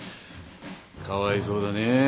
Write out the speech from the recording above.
かわいそうだね。